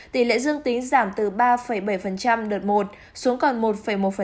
tỷ lệ dương tính giảm từ ba bảy đợt một xuống còn một một đợt sáu